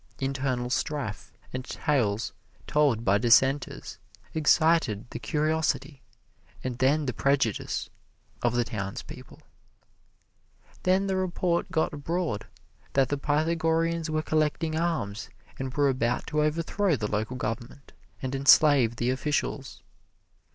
Internal strife and tales told by dissenters excited the curiosity, and then the prejudice, of the townspeople. Then the report got abroad that the Pythagoreans were collecting arms and were about to overthrow the local government and enslave the officials.